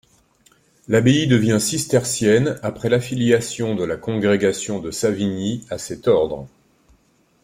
L'abbaye devient cistercienne après l'affiliation de la congrégation de Savigny à cet ordre.